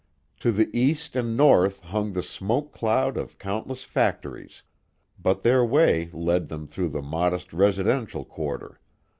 To the east and north hung the smoke cloud of countless factories, but their way led them through the modest residential quarter.